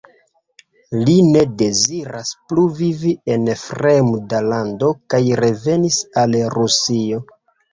Li ne deziras plu vivi en fremda lando kaj revenis al Rusio.